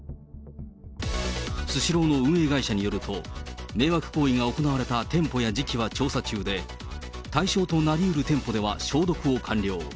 スシローの運営会社によると、迷惑行為が行われた店舗や時期は調査中で、対象となりうる店舗では消毒を完了。